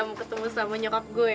mau ketemu sama nyokap gue ya